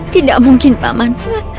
tidak mungkin pak man